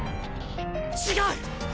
違う！